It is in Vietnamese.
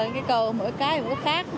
cây cầu mỗi cái cũng có khác